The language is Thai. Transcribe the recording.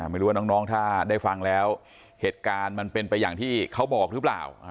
ไม่รู้ว่าน้องถ้าได้ฟังแล้วเหตุการณ์มันเป็นไปอย่างที่เขาบอกหรือเปล่า